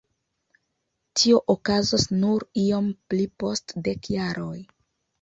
Tio okazos nur iom pli post dek jaroj.